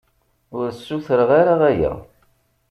Ur ssutreɣ ara aya.